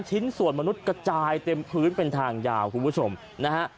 ชิ้นส่วนมนุษย์กระจายเต็มพื้นเป็นทางยาวคุณผู้ชมนะฮะ